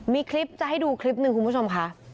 มีคลิปจะให้ดูคลิปหนึ่งคุณผู้ชมค่ะ